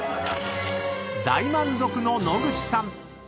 ［大満足の野口さん］